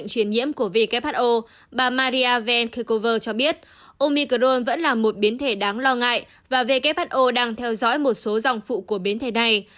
cơ cơ vơ cho biết omicron vẫn là một biến thể đáng lo ngại và who đang theo dõi một số dòng phụ của biến thể này